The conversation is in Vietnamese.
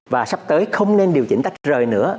và sắp tới không nên điều chỉnh tách rời nữa